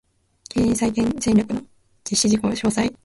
経営再建戦略の実施事項詳細